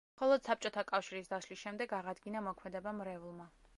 მხოლოდ საბჭოთა კავშირის დაშლის შემდეგ აღადგინა მოქმედება მრევლმა.